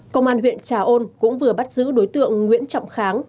công an huyện trà ôn cũng vừa bắt giữ đối tượng nguyễn trọng kháng